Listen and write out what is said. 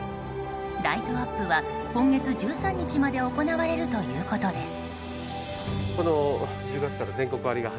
ライトアップは今月１３日まで行われるということです。